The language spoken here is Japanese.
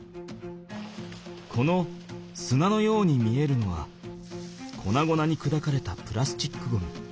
この砂のように見えるのはこなごなにくだかれたプラスチックゴミ。